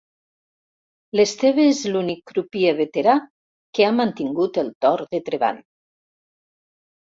L'Esteve és l'únic crupier veterà que ha mantingut el torn de treball.